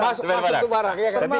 masuk ke barang